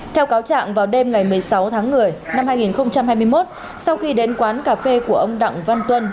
theo cáo trạng vào đêm ngày một mươi sáu tháng một mươi năm hai nghìn hai mươi một sau khi đến quán cà phê của ông đặng văn tuân